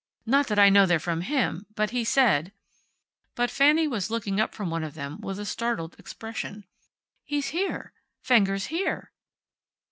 Not that I know they're from him. But he said " But Fanny was looking up from one of them with a startled expression. "He's here. Fenger's here."